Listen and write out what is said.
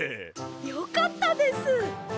よかったです！